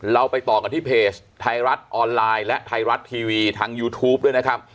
ไปต่อกันที่เพจไทยรัฐออนไลน์และไทยรัฐทีวีทางยูทูปด้วยนะครับ